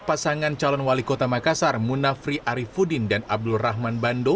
pasangan calon wali kota makassar munafri arifudin dan abdul rahman bando